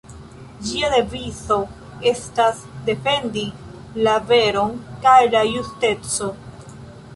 Ĝia devizo estas "Defendi la veron kaj la justeco".